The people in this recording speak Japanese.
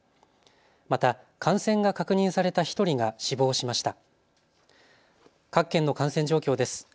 また感染が確認された１人が死亡しました。